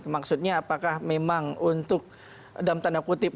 maksudnya apakah memang untuk dalam tanda kutip